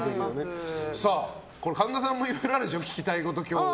神田さんもいろいろあるでしょ聞きたいこと、今日は。